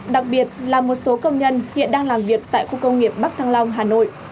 đặc biệt là một số công nhân hiện đang làm việc tại khu công nghiệp bắc thăng long hà nội